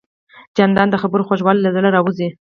جانداد د خبرو خوږوالی له زړه راوزي.